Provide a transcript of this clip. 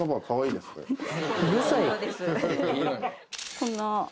こんな。